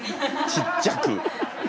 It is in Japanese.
ちっちゃく。